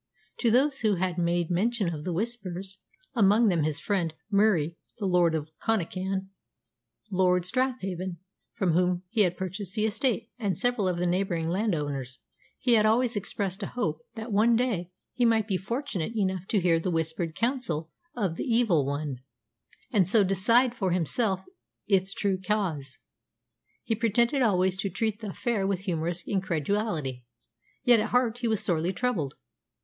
To those who had made mention of the Whispers among them his friend Murie, the Laird of Connachan; Lord Strathavon, from whom he had purchased the estate; and several of the neighbouring landowners he had always expressed a hope that one day he might be fortunate enough to hear the whispered counsel of the Evil One, and so decide for himself its true cause. He pretended always to treat the affair with humorous incredulity, yet at heart he was sorely troubled.